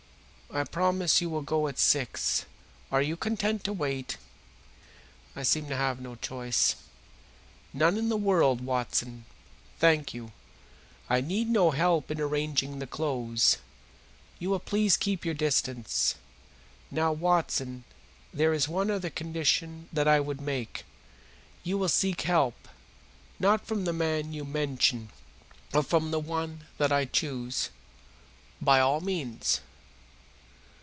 I promise you will go at six. Are you content to wait?" "I seem to have no choice." "None in the world, Watson. Thank you, I need no help in arranging the clothes. You will please keep your distance. Now, Watson, there is one other condition that I would make. You will seek help, not from the man you mention, but from the one that I choose." "By all means."